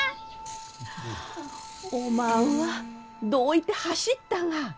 おまんはどういて走ったが！